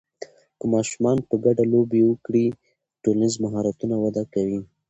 که ماشومان په ګډه لوبې وکړي، ټولنیز مهارتونه وده کوي.